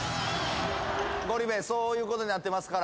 ゴリ部そういうことになってますから。